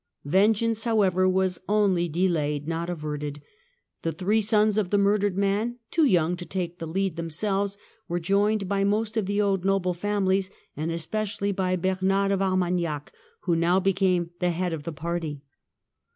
Vengeance, however, was only delayed, not averted. The three sons of the murdered man, too young to take the lead themselves, were joined by most of the old noble famihes, and especially by Bernard of Armagnac, who now became the head of the party.